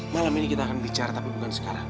malam ini kita akan bicara tapi bukan sekarang